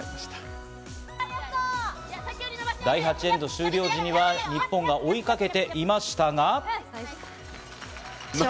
第８エンド終了時には日本が追いかけていましたが。